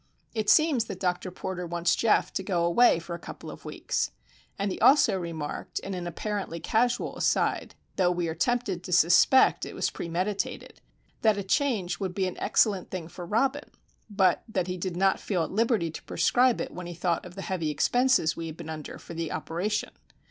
It seems that Dr. Porter wants Geof to go away for a couple of weeks; and he also remarked, in an apparently casual aside (though we are tempted to suspect it was premeditated), that a change would be an excellent thing for Robin; but that he did not feel at liberty to prescribe it when he thought of the heavy expenses we had been under for the operation.